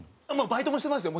バイトもしてますよ